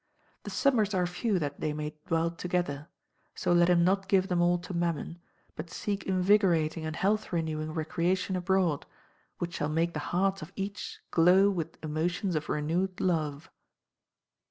The summers are few that they may dwell together; so let him not give them all to Mammon, but seek invigorating and health renewing recreation abroad, which shall make the hearts of each glow with emotions of renewed love.